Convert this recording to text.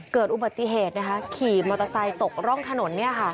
เกิดอุบัติเหตุนะคะขี่มอเตอร์ไซค์ตกร่องถนน